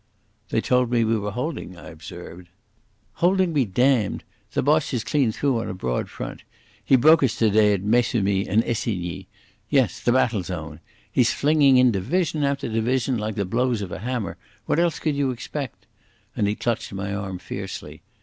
"They told me we were holding," I observed. "Holding be damned! The Boche is clean through on a broad front. He broke us today at Maissemy and Essigny. Yes, the battle zone. He's flinging in division after division like the blows of a hammer. What else could you expect?" And he clutched my arm fiercely.